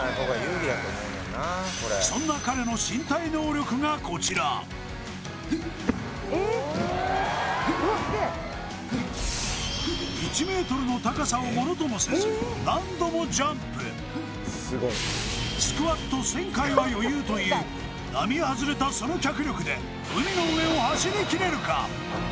そんな彼の身体能力がこちらふっふっ１ｍの高さをものともせず何度もジャンプスクワット１０００回は余裕という並はずれたその脚力で海の上を走り切れるか？